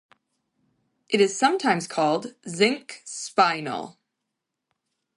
It is sometimes called "zinc spinel".